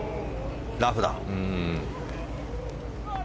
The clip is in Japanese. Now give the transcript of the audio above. ラフだ。